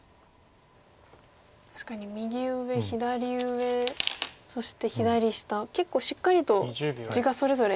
確かに右上左上そして左下結構しっかりと地がそれぞれ。